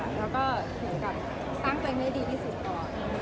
แล้วก็สร้างตัวเองให้ดีพริกันก่อน